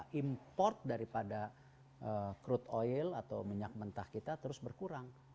kita import daripada crude oil atau minyak mentah kita terus berkurang